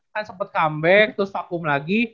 kan sempat comeback terus vakum lagi